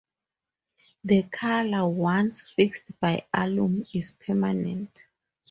The colour, once fixed by alum, is permanent.